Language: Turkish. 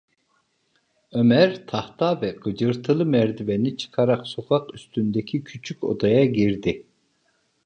Ömer tahta ve gıcırtılı merdiveni çıkarak sokak üstündeki küçük odaya girdi.